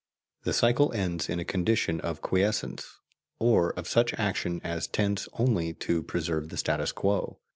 The cycle ends in a condition of quiescence, or of such action as tends only to preserve the status quo.